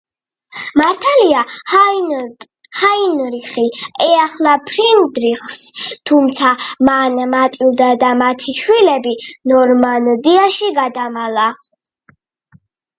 მართალია ჰაინრიხი ეახლა ფრიდრიხს, თუმცა მან მატილდა და მათი შვილები ნორმანდიაში გადამალა.